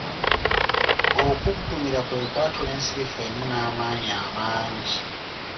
Okuggumira kwe kwatula ensirifu emu n’amaanyi amangi.